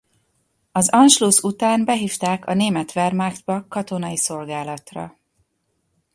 Az Anschluss után behívták a német Wehrmachtba katonai szolgálatra.